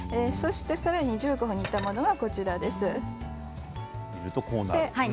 さらに１５分煮たものがこちらです。